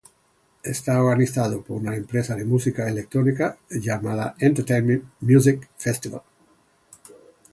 Está organizado por una empresa de música electrónica llamada Entertainment music festival.